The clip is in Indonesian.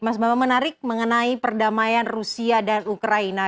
mas bambang menarik mengenai perdamaian rusia dan ukraina